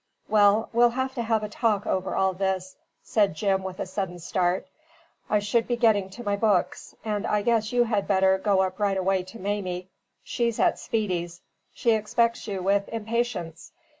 "Well, we'll have to have a talk over all this," said Jim with a sudden start. "I should be getting to my books; and I guess you had better go up right away to Mamie. She's at Speedy's. She expects you with impatience.